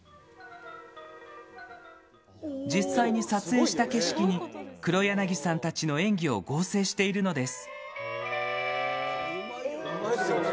実際に撮影した景色に、黒柳さんたちの演技を合成しているのです。